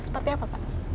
seperti apa pak